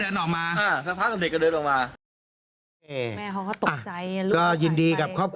อ๋อแล้วไปจูดทูปค้อ